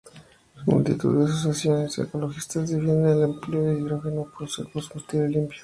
Multitud de asociaciones ecologistas defienden el empleo del hidrógeno por ser un combustible limpio.